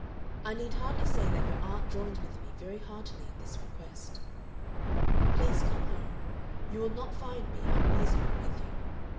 I need hardly say that your aunt joins with me very heartily in this request. "Please come home. You will not find me unreasonable with you.